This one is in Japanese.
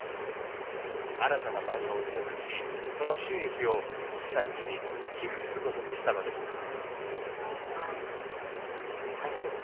新たなバージョンを制作しその収益を被災地に寄付することにしたのです。